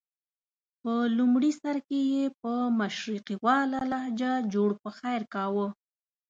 په لومړي سر کې یې په مشرقیواله لهجه جوړ پخیر کاوه.